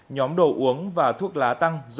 nhóm đồ uống và thuốc lá tăng